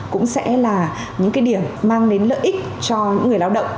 cũng sẽ là những cái điểm mang đến lợi ích cho những người lao động